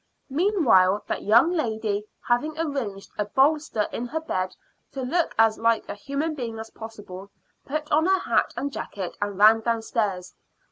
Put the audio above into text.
Meanwhile that young lady, having arranged a bolster in her bed to look as like a human being as possible, put on her hat and jacket and ran downstairs.